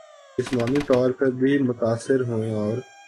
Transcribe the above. جسمانی طور پر بھی متاثر ہوئیں اور